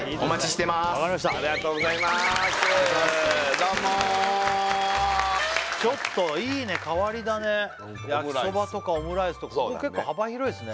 どうもちょっといいね変わり種焼ソバとかオムライスとかここ結構幅広いっすね